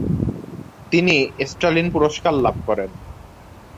তিনি স্তালিন পুরস্কার লাভ করেন।